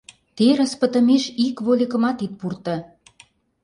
Терыс пытымеш ик вольыкымат ит пурто.